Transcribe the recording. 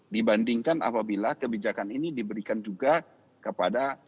dibandingkan apabila kebijakan ini diberikan juga kepada